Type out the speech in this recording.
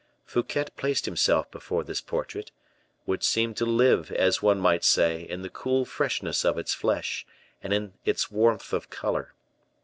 Fouquet placed himself before this portrait, which seemed to live, as one might say, in the cool freshness of its flesh, and in its warmth of color.